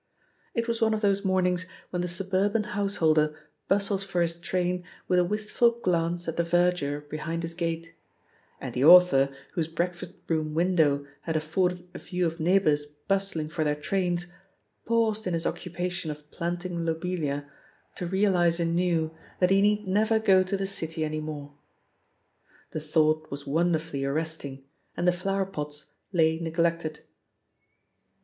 It was one of those mornings when the suburban house holder bustles for his train with a wistful glance at the verdure behind his gate; and the author, whose breakfast^room window had afforded a view of neighbours bustling for their trains, paused in his occupation of planting lobelia, to realise anew that he need never go to the City any more. The thought was wonderfully arresting, and the flower pots lay neglected.